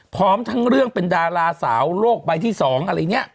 พร้อมทั้งเรื่องเป็นดาราสาวโรคใบที่๒อะไรเนี่ย